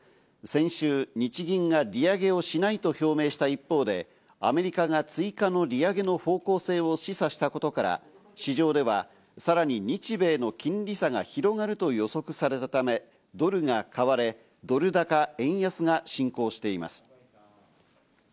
先週、日銀が利上げをしないと表明した一方でアメリカが追加の利上げの方向性を示唆したことから、市場では更に日米の金利差が広がると予測されたため、ドルが買われドル高、円安が進行しています。